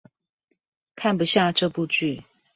看不下這部劇